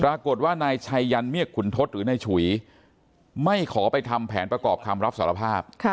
ปรากฏว่านายชัยยันเมียกขุนทศหรือนายฉุยไม่ขอไปทำแผนประกอบคำรับสารภาพ